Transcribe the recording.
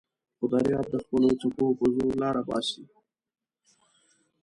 خو دریاب د خپلو څپو په زور لاره باسي.